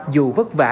dù vất vả